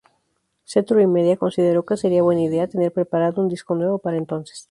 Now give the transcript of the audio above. Century Media consideró que sería buena idea tener preparado un disco nuevo para entonces.